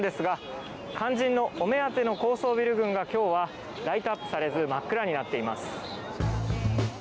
肝心のお目当ての高層ビル群は今日はライトアップされず真っ暗になっています。